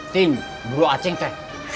ting buruk acing teh